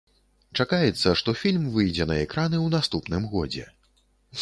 Чакаецца, што фільм выйдзе на экраны ў наступным годзе.